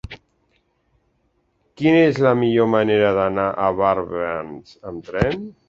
Quina és la millor manera d'anar a Barbens amb tren?